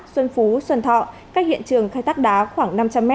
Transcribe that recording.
xuân phú xuân thọ cách hiện trường khai thác đá khoảng năm trăm linh m